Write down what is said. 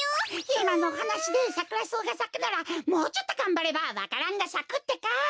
いまのおはなしでサクラソウがさくならもうちょっとがんばればわか蘭がさくってか。